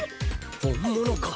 本物か。